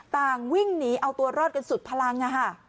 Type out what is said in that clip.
ต่างวิ่งหนีเอาตัวรอดกันสุดพลัง